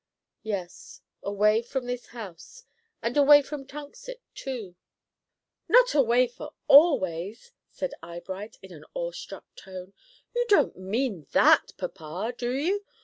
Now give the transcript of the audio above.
"Yes, away from this house, and away from Tunxet, too." "Not away for always?" said Eyebright, in an awe struck tone. "You don't mean that, papa, do you?